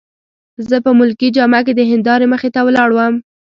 زه په ملکي جامه کي د هندارې مخې ته ولاړ وم.